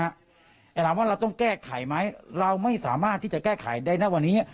แต่ถามว่าเราต้องแก้ไขไหมเราไม่สามารถที่จะแก้ไขได้นะวันนี้